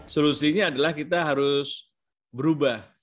solusinya adalah kita harus berubah